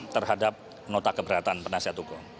terhadap nota keberatan penasihat hukum